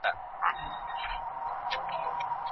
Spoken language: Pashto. اوس لکه بورا په خپله مینه کي اوسېږمه